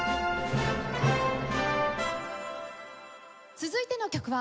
続いての曲は。